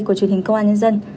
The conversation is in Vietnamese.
của truyền hình công an nhân dân